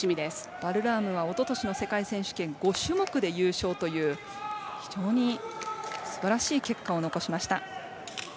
バルラームはおととしの世界選手権、５種目で優勝という非常にすばらしい結果を残しました。